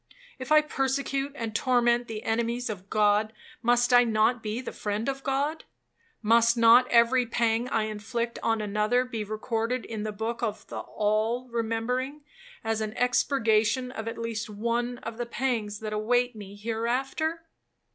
If I persecute and torment the enemies of God, must I not be the friend of God? Must not every pang I inflict on another, be recorded in the book of the All remembering, as an expurgation of at least one of the pangs that await me hereafter?